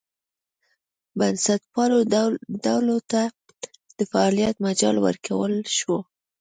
بنسټپالو ډلو ته د فعالیت مجال ورکړل شو.